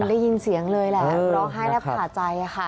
ได้ยินเสียงเลยแหละร้องไห้แทบขาดใจค่ะ